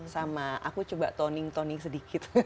sama aku coba toning toning sedikit